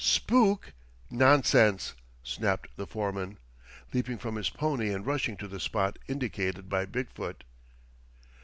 "Spook nonsense!" snapped the foreman, leaping from his pony and rushing to the spot indicated by Big foot.